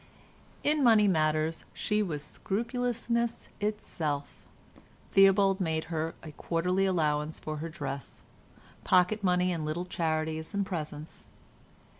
In money matters she was scrupulousness itself. Theobald made her a quarterly allowance for her dress, pocket money and little charities and presents.